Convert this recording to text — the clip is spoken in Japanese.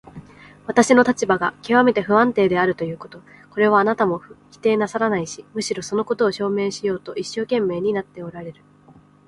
私の立場がきわめて不安定であるということ、これはあなたも否定なさらないし、むしろそのことを証明しようと一生懸命になっておられる。